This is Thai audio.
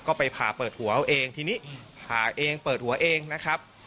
ก็ไปผ่าเปิดหัวเอาเองทีนี้ผ่าเองเปิดหัวเองนะครับ